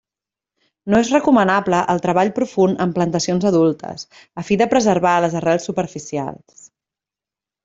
No és recomanable el treball profund en plantacions adultes, a fi de preservar les arrels superficials.